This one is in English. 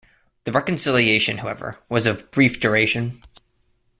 The reconciliation, however, was of brief duration.